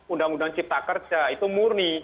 undang undang cipta kerja itu murni